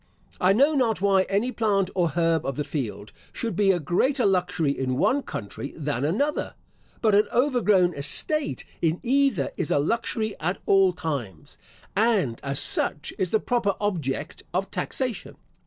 I know not why any plant or herb of the field should be a greater luxury in one country than another; but an overgrown estate in either is a luxury at all times, and, as such, is the proper object of taxation.